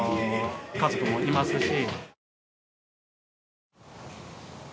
家族もいますし。